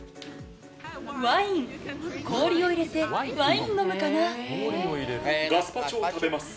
ワイン、氷を入れてワイン飲ガスパチョを食べます。